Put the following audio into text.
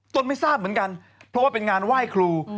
ไม่ทราบเหมือนกันเพราะว่าเป็นงานไหว้ครู